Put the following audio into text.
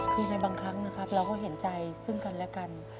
คือในบางครั้งนะครับเราก็เห็นใจซึ่งกันและกัน